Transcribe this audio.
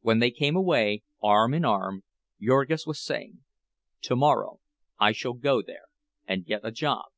When they came away, arm in arm, Jurgis was saying, "Tomorrow I shall go there and get a job!"